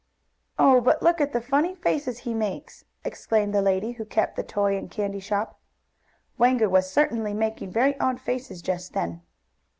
"Oh, but look at the funny faces he makes!" exclaimed the lady who kept the toy and candy shop. Wango was certainly making very odd faces just then.